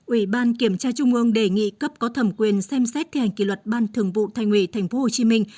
ủy ban kiểm tra trung ương đề nghị cấp có thẩm quyền xem xét thi hành kỳ luật ban thường vụ thành ủy tp hồ chí minh